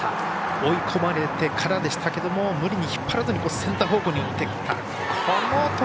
追い込まれてからでしたけど無理に引っ張らずにセンター方向にいって。